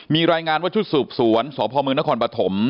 มีรายงานว่าชุดสูบสวนสพนพ